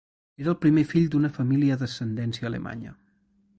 Era el primer fill d'una família d'ascendència alemanya.